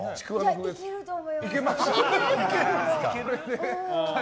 いけると思います。